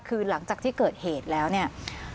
คือหลังจากที่เกิดเหตุแล้วเนี่ย